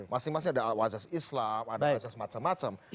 masing masing ada wajah islam ada wazas macam macam